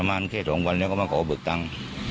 มันทำร้ายแค่สองวันแล้วเขาก็มาขอเบอร์กทาง